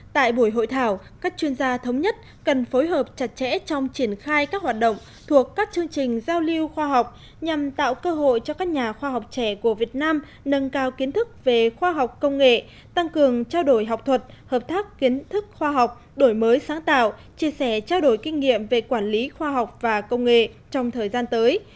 tại buổi hội thảo các chuyên gia thống nhất cần phối hợp chặt chẽ trong triển khai các hoạt động thuộc các chương trình giao lưu khoa học nhằm tạo cơ hội cho các nhà khoa học trẻ của việt nam nâng cao kiến thức về khoa học công nghệ tăng cường trao đổi học thuật hợp tác kiến thức khoa học đổi mới sáng tạo chia sẻ trao đổi kinh nghiệm về quản lý khoa học và công nghệ trong thời gian tới